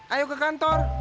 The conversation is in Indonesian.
kamu mau ke kantor